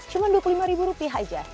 cuma dua puluh lima ribu rupiah aja